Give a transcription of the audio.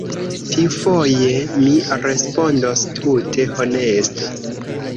Tiufoje, mi respondos tute honeste!